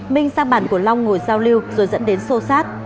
minh sang bản của long ngồi giao lưu rồi dẫn đến sô sát